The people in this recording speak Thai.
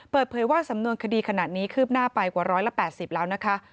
เปิดเผยว่าสำนวนคดีขณะนี้คืบหน้าไปกว่า๑๘๐แล้วนะคะ